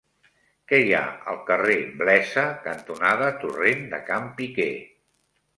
Què hi ha al carrer Blesa cantonada Torrent de Can Piquer?